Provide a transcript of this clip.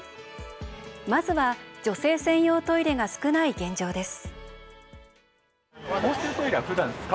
まずは女性専用トイレが少ない現状です。